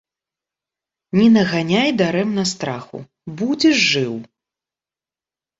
Не наганяй дарэмна страху, будзеш жыў.